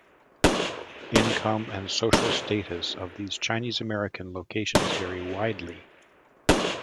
Income and social status of these Chinese-American locations vary widely.